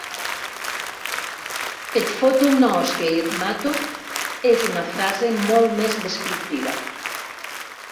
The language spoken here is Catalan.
Et foto una hòstia i et mato és una frase molt més descriptiva.